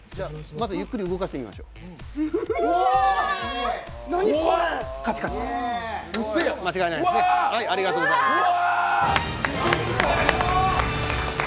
まずゆっくり動かしてみましょう、カチカチ、間違いないですね、ありがとうございました。